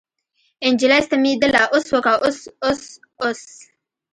نجلۍ ستمېدله اوس وکه اوس اوس اوس.